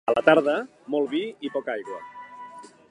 A la tarda, molt vi i poca aigua.